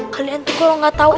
kalian tuh kalau gak tau